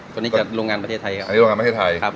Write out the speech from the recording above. แค่นั้นเสร็จเลย